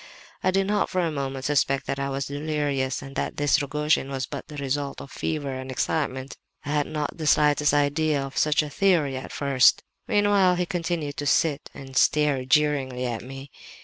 "I did not for a moment suspect that I was delirious and that this Rogojin was but the result of fever and excitement. I had not the slightest idea of such a theory at first. "Meanwhile he continued to sit and stare jeeringly at me.